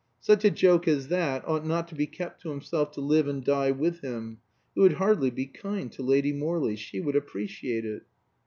Such a joke as that ought not to be kept to himself to live and die with him; it would hardly be kind to Lady Morley. She would appreciate it.